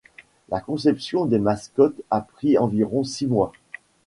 La conception des mascottes a pris environ six mois.